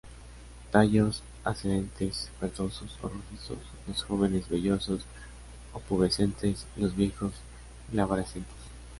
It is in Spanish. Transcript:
Tallos ascendentes, verdosos o rojizos, los jóvenes vellosos o pubescentes, los viejos glabrescentes.